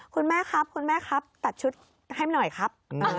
คุณแม่ครับตัดชุดให้หน่อยครับ